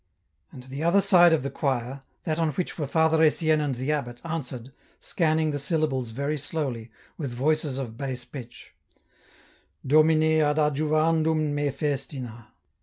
And the other side of the choir, that on which were Father Etienne and the abbot, answered, scanning the syllables very slowly, with voices of bass pitch, —" Domine ad adjuvandum me festina."